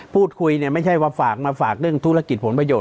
พูดคุยเนี่ยไม่ใช่ว่าฝากมาฝากเรื่องธุรกิจผลประโยชน